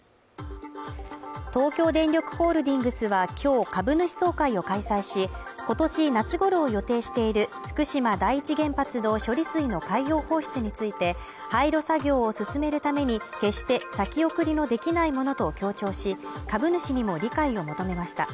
東京電力ホールディングスは今日、株主総会を開催し、今年夏ごろを予定している福島第一原発の処理水の海洋放出について廃炉作業を進めるために、決して先送りのできないものと強調し、株主にも理解を求めました。